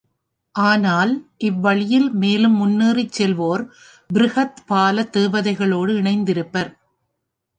ஆனால் இவ்வழியில் மேலும் முன்னேறிச் செல்வோர் பிருகத்பாலத் தேவதைகளோடு இணைந்திருப்பர்.